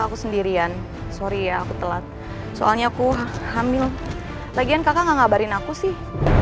aku sendirian sorry aku telat soalnya aku hamil bagian kakak ngabarin aku sih